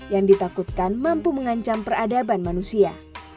yang ditakutkan mampu mengancam peradaban manusia